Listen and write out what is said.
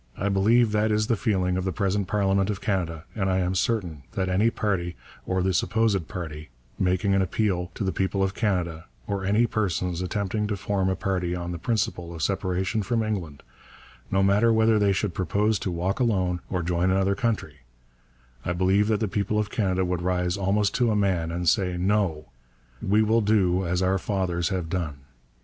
I believe that is the feeling of the present Parliament of Canada, and I am certain that any party, or the supposed party, making an appeal to the people of Canada, or any persons attempting to form a party on the principle of separation from England, no matter whether they should propose to walk alone, or join another country, I believe that the people of Canada would rise almost to a man and say, 'No, we will do as our fathers have done.